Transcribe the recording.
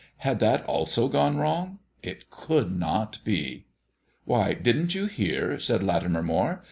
Had that also gone wrong? It could not be. "Why, didn't you hear?" said Latimer Moire.